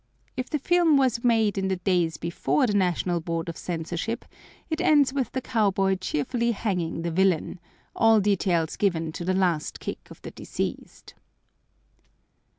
If the film was made in the days before the National Board of Censorship, it ends with the cowboy cheerfully hanging the villain; all details given to the last kick of the deceased.